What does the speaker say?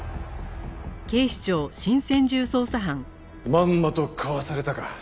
まんまとかわされたか。